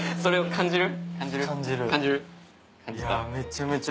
感じる。